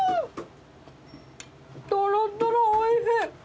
とろとろおいしい。